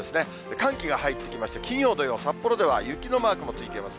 寒気が入ってきまして、金曜、土曜、札幌では雪のマークも付いています。